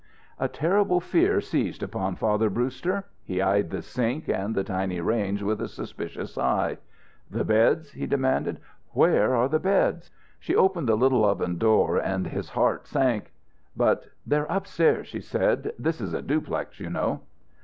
A terrible fear seized upon Father Brewster. He eyed the sink and the tiny range with a suspicious eye. "The beds," he demanded, "where are the beds?" She opened the little oven door and his heart sank. But, "They're upstairs," she said. "This is a duplex, you know."